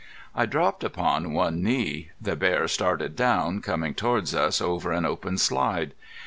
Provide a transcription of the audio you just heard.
I dropped upon one knee. The bear started down, coming towards us over an open slide.